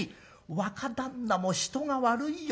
若旦那も人が悪いよ。